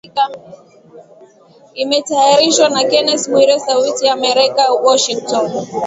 Imetayarishwa na Kennes Bwire sauti ya Amerika Washington